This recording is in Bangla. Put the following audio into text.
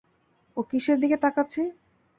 ও কীসের দিকে তাকাচ্ছে?